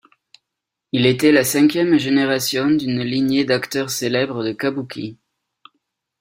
Il était la cinquième génération d'une lignée d'acteurs célèbres de Kabuki.